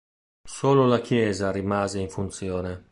Solo la chiesa rimase in funzione.